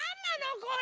これ。